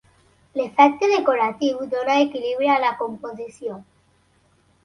L'efecte decoratiu dóna equilibri a la composició.